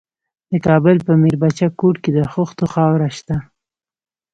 د کابل په میربچه کوټ کې د خښتو خاوره شته.